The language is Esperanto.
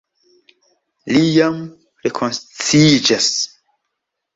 li jam rekonsciiĝas.